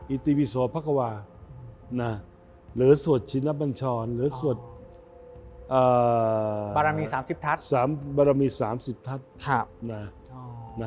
อิติวิสวพะกวาหรือสวดชินปัญชรหรือสวดบารมีสามสิบทัศน์